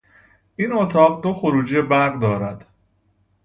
این اتاق دو خروجی برق دارد.